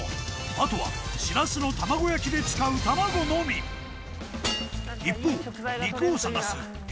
あとはしらすの玉子焼きで使う卵のみ一方肉を探す